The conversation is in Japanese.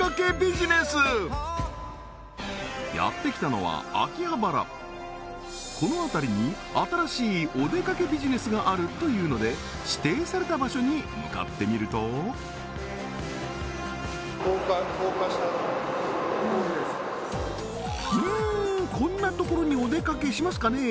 やって来たのは秋葉原この辺りに新しいおでかけビジネスがあるというので指定された場所に向かってみるとうんこんな所におでかけしますかね？